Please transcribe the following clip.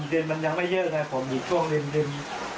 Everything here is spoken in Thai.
ทำอะไรไม่ได้ผมก็วิ่งไปที่ด่าน